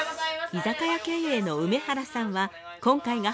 居酒屋経営の梅原さんは今回が初舞台。